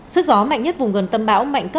sự tình trạng của tâm bão là như sau